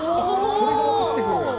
これが分かってくる。